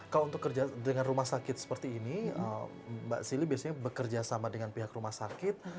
kalau untuk kerja dengan rumah sakit seperti ini mbak sili biasanya bekerja sama dengan pihak rumah sakit